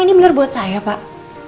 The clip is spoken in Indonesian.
ini benar buat saya pak